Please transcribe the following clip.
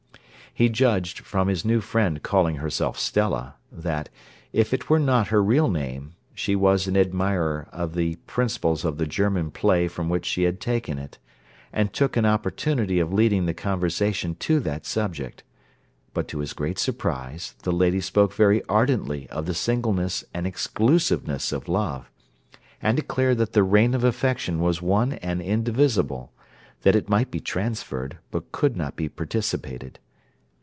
He judged, from his new friend calling herself Stella, that, if it were not her real name, she was an admirer of the principles of the German play from which she had taken it, and took an opportunity of leading the conversation to that subject; but to his great surprise, the lady spoke very ardently of the singleness and exclusiveness of love, and declared that the reign of affection was one and indivisible; that it might be transferred, but could not be participated.